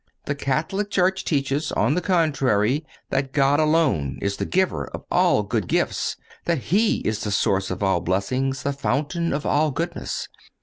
The Catholic Church teaches, on the contrary, that God alone is the Giver of all good gifts; that He is the Source of all blessings, the Fountain of all goodness.